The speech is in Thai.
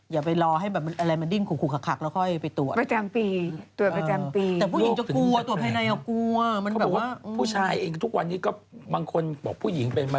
อย่าไปรอให้บอกมันอะไรมันดิ้นขุกขัดทำไมค่อยไปตรวจประจำปีตัวตอนปีแต่ผู้หญิงจะกลัวตัวภายใน๑๔๐๐ผู้ชายทุกวันนี้ก็บางคนบอกผู้หญิงเป็น